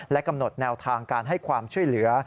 กำหนดแนวทางการให้ความช่วยเหลือ